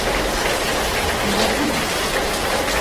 Ебәрҙегеҙме?